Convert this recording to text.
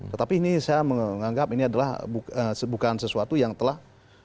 tetapi ini saya menganggap ini adalah bukan sesuatu yang telah